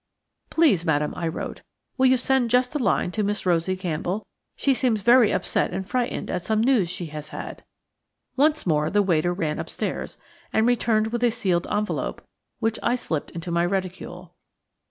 "Please, madam," I wrote, "will you send just a line to Miss Rosie Campbell? She seems very upset and frightened at some news she has had." Once more the waiter ran upstairs, and returned with a sealed envelope, which I slipped into my reticule.